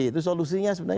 itu solusinya sebenarnya